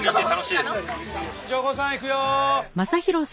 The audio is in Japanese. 城後さんいくよ！